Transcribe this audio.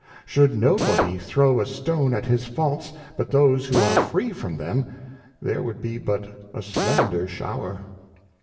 Should no body throw a Stone at his Faults but those who are free from them, there would be but a slender Shower.